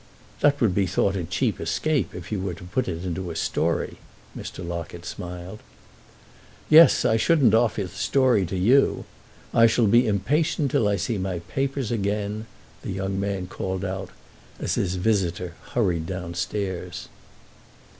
"That would be thought a cheap escape if you were to put it into a story," Mr. Locket smiled. "Yes, I shouldn't offer the story to you. I shall be impatient till I see my papers again," the young man called out, as his visitor hurried downstairs.